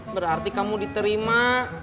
berarti kamu diterima